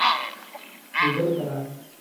لیدلو ته راغی.